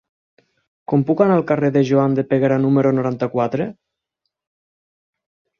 Com puc anar al carrer de Joan de Peguera número noranta-quatre?